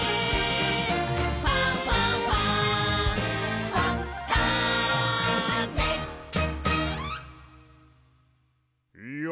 「ファンファンファン」いや